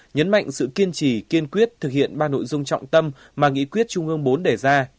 nhấn mạnh sự kiên trì kiên quyết thực hiện ba nội dung trọng tâm mà nghị quyết trung ương bốn đề ra